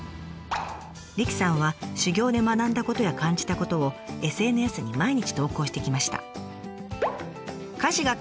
理妃さんは修業で学んだことや感じたことをＳＮＳに毎日投稿してきました。